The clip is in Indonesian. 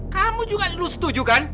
kamu juga setuju kan